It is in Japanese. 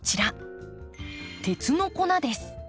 鉄の粉です。